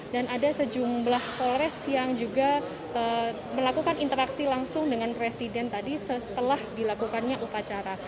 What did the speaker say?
dan ada sejumlah polres yang juga melakukan interaksi langsung dengan presiden tadi setelah dilakukannya upacara